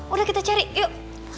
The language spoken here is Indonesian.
udah kita cari yuk